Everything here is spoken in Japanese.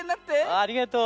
ありがとう。